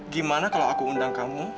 gimana kalau aku undang kamu